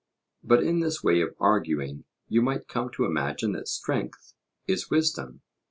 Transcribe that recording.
But in this way of arguing you might come to imagine that strength is wisdom.